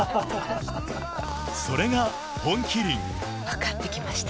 それが「本麒麟」分かってきました。